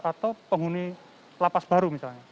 atau penghuni lapas baru misalnya